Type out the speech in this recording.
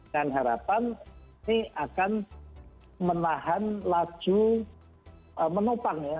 dan harapan ini akan menahan laju menopang ya